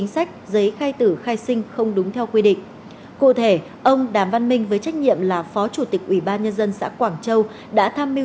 các đối tượng đều có sự phân công nhiệm vụ vai trò cụ thể